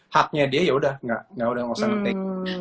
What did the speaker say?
haknya dia ya udah gak usah ngetik